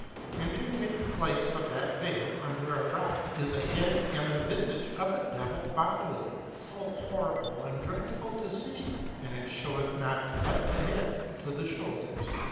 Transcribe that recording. And in mid place of that vale, under a rock, is an head and the visage of a devil bodily, full horrible and dreadful to see, and it sheweth not but the head, to the shoulders.